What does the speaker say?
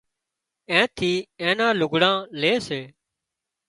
اين ٿِي اين نان لگھڙان لي سي